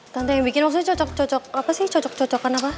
tante yang bikin maksudnya cocok cocok apa sih cocok cocokan apa